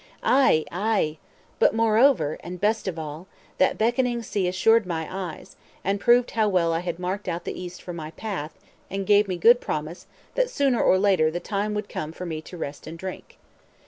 Ay! ay! but moreover, and best of all, that beckoning sea assured my eyes, and proved how well I had marked out the east for my path, and gave me good promise that sooner or later the time would come for me to rest and drink.